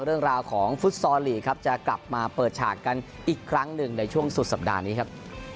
เรื่องราวของฟุตซอลลีกครับจะกลับมาเปิดฉากกันอีกครั้งหนึ่งในช่วงสุดสัปดาห์นี้ครับ